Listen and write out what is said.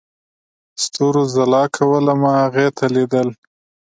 ستورو ځلا کوله، ما هغې ته ليدل.